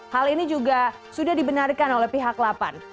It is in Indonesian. hal ini juga sudah dibenarkan oleh pihak lapan